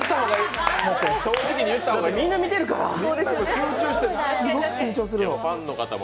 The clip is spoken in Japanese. だってみんな見てるから。